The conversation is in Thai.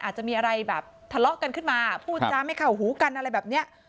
อาจจะมีอะไรแบบทะเลาะกันขึ้นมาพูดจาไม่เข้าหูกันอะไรแบบนี้